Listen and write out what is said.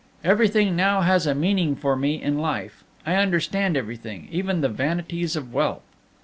Everything now has a meaning for me in life. I understand everything, even the vanities of wealth.